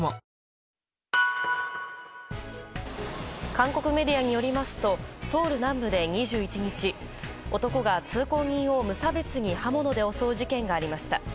韓国メディアによりますとソウル南部で２１日男が通行人を無差別に刃物で襲う事件がありました。